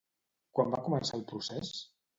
Quan va començar el procés?